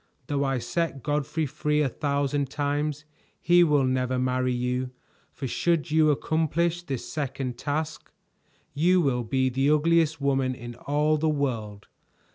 Though I set Godfrey free a thousand times, he will never marry you, for should you accomplish this second task, you will be the ugliest woman in all the world.